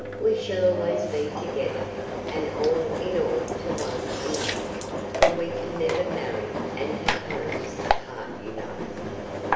We shall always be together, and all in all to one another, for we can never marry and have homes apart you know.